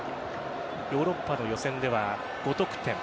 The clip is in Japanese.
ヨーロッパの予選では５得点。